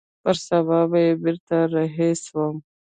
پر سبا يې بېرته رهي سوم.